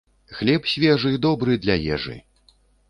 Хлеб свежы добры для ежы.